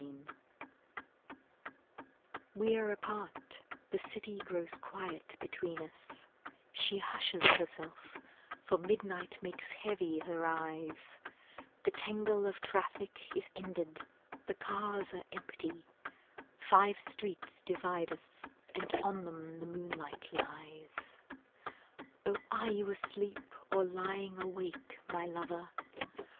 AT NIGHT WE are apart; the city grows quiet between us, She hushes herself, for midnight makes heavy her eyes, The tangle of traffic is ended, the cars are empty, Five streets divide us, and on them the moonlight lies. Oh are you asleep, or lying awake, my lover?